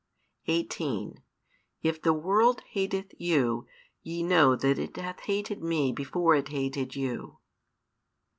18 If the world hateth you, ye know that it hath hated Me before it hated you.